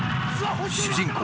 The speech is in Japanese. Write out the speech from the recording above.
主人公